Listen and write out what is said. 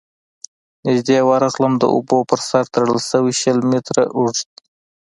، نږدې ورغلم، د اوبو پر سر تړل شوی شل متره اوږد،